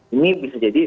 ini bisa jadi